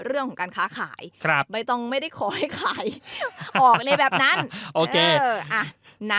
เรื่องของการค้าขายไม่ต้องไม่ได้ขอให้ขายบอกอะไรแบบนั้น